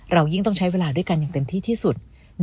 ยิ่งต้องใช้เวลาด้วยกันอย่างเต็มที่ที่สุด